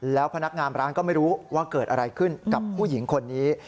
แล้วพนักงานร้านก็ไม่รู้ว่าเกิดอะไรขึ้นกับผู้หญิงคนนี้